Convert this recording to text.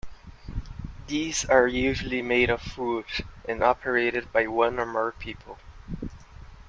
These are usually made of wood, and operated by one or more people.